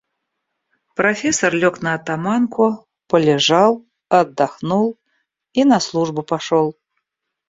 Профессор лег на оттоманку, полежал, отдохнул и на службу пошел.